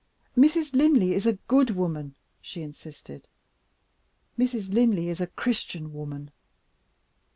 "Mrs. Linley is a good woman," she insisted; "Mrs. Linley is a Christian woman."